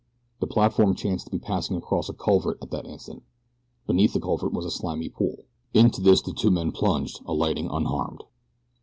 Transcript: The platform chanced to be passing across a culvert at the instant. Beneath the culvert was a slimy pool. Into this the two men plunged, alighting unharmed.